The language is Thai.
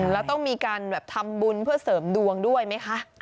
แล้วต้องมีการแบบทำบุญเพื่อเสริมดวงด้วยไหมคะ